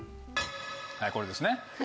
はいこれですね。